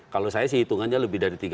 kalau saya sih hitungannya lebih dari tiga